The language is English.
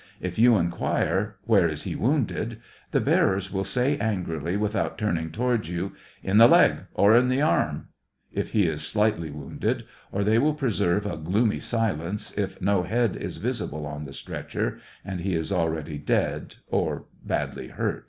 If you inquire, " Where is he wounded ?" the bearers will say angrily, without turning towards you, "In the leg or the arm," if he is slightly wounded, or they will preserve a gloomy silence if no head is visible on the stretcher and he is al ready dead or badly hurt.